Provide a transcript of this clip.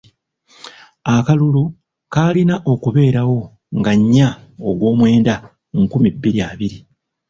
Akalulu kaalina kubeerawo nga nnya ogw'omwenda nkumi bbiri abiri.